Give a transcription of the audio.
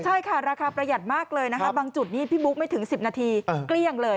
ใช่ค่ะราคาประหยัดมากเลยนะคะบางจุดนี้พี่บุ๊กไม่ถึง๑๐นาทีเกลี้ยงเลย